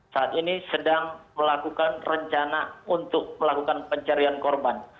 saat ini sedang melakukan rencana untuk melakukan pencarian korban